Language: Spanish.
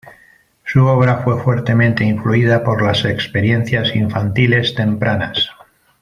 Su obra fue fuertemente influida por las experiencias infantiles tempranas.